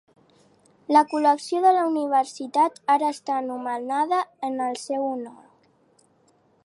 La col·lecció de la Universitat ara està nomenada en el seu honor.